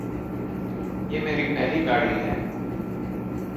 यह मेरी पहली गाड़ी है।